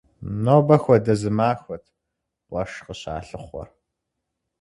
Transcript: Нобэ хуэдэ зы махуэт къуэш къыщалъыхъуэр.